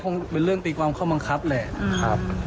ก็คงเป็นเรื่องตีความเข้ามังคัดแหละ